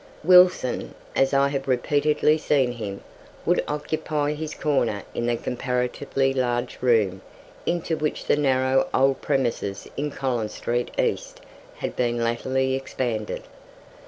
Wilson, as I have repeatedly seen him, would occupy his corner in the comparatively large room into which the narrow old premises in Collins street east had been latterly expanded.